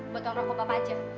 buat tanggung roku bapak aja